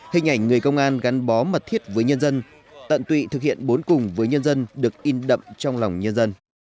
hình ảnh người công an gắn bó mật thiết với nhân dân tận tụy thực hiện bốn cùng với nhân dân được in đậm trong lòng nhân dân